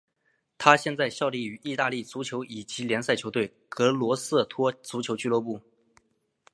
他现在效力于意大利足球乙级联赛球队格罗瑟托足球俱乐部。